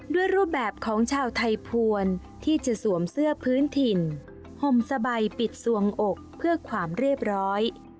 รูปแบบของชาวไทยภวรที่จะสวมเสื้อพื้นถิ่นห่มสบายปิดสวงอกเพื่อความเรียบร้อย